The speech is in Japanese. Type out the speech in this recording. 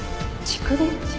蓄電池？